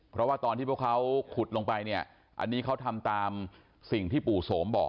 เพราะว่าตอนที่พวกเขาขุดลงไปเนี่ยอันนี้เขาทำตามสิ่งที่ปู่โสมบอก